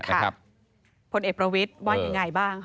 คนเอประวิทว่าอย่างไรบ้าง